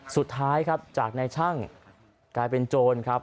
สุดท้ายครับจากในช่างกลายเป็นโจรครับ